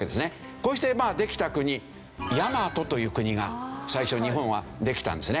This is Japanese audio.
こうしてできた国やまとという国が最初日本はできたんですね。